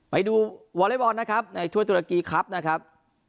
ไปดูวอเล็กบอลนะครับในถ้วยตุรกีครับนะครับ